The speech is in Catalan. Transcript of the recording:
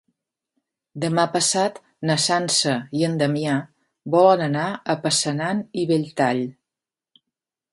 Demà passat na Sança i en Damià volen anar a Passanant i Belltall.